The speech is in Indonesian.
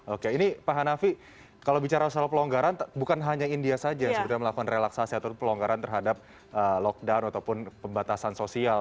oke ini pak hanafi kalau bicara soal pelonggaran bukan hanya india saja yang sebenarnya melakukan relaksasi atau pelonggaran terhadap lockdown ataupun pembatasan sosial